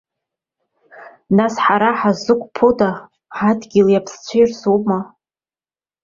Нас ҳара ҳаззықәԥода, адгьыли аԥсцәеи рзоума?!